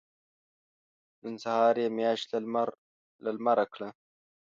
نن سهار يې مياشت له لمره کړه.